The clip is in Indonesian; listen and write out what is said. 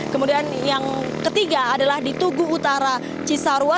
kemudian yang ketiga adalah di tugu utara cisarua